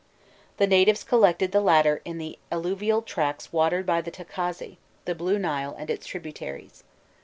The natives collected the latter in the alluvial tracts watered by the Tacazze, the Blue Nile and its tributaries.